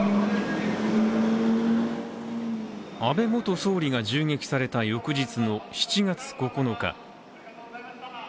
安倍元総理が銃撃された翌日の７月９日。